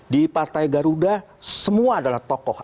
di partai garuda semua adalah tokoh